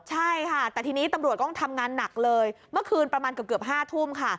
ใช่ค่ะแต่ทีนี้ตำรวจก็ต้องทำงานหนักเลยเมื่อคืนประมาณเกือบ๕ทุ่มค่ะ